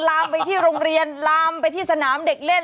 ลามไปที่โรงเรียนลามไปที่สนามเด็กเล่น